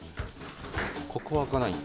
ここ開かない？